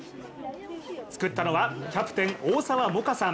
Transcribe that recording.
作ったのは、キャプテン・大澤百夏さん。